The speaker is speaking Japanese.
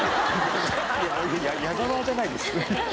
いや矢沢じゃないです。